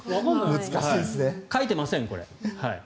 書いてません、これ。